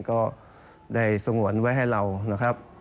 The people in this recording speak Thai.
ก็ได้สงวนไว้ให้เรานะครับ